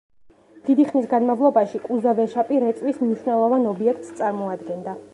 დიდი ხნის განმავლობაში კუზა ვეშაპი რეწვის მნიშვნელოვან ობიექტს წარმოადგენდა.